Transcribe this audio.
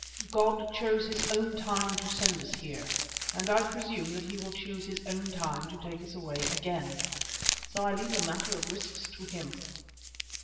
God chose His own time to send us here, and I presume that He will choose His own time to take us away again. So I leave the matter of risks to Him."